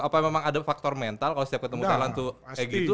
apa memang ada faktor mental kalau setiap ketemu thailand tuh kayak gitu